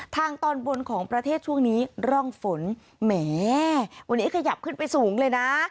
ทางตอนบนของประเทศช่วงนี้ร่องฝนแหมวันนี้ขยับขึ้นไปสูงเลยนะ